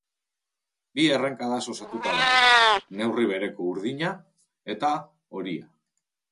Bi errenkadaz osatuta dago, neurri bereko urdina eta horia.